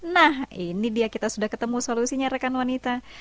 nah ini dia kita sudah ketemu solusinya rekan wanita